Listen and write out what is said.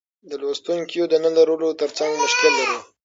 د لوستونکیو د نه لرلو ترڅنګ مشکل لرو.